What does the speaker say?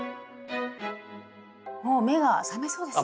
もう目が覚めそうですね！